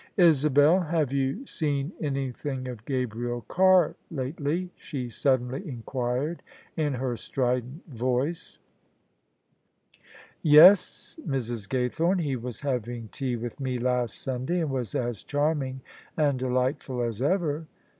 " Isabel, have you seen anything of Gabriel Carr lately? " she suddenly inquired in her strident voice, [ 50 ] OF ISABEL CARNABY "Yes, Mrs. Gaythorne. He was having tea with me last Sunday, and was as charming and deli^tful as ever."